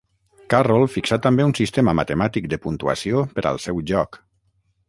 Carroll fixà també un sistema matemàtic de puntuació per al seu joc.